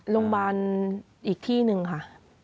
โรงพยาบาลอีกที่หนึ่งค่ะ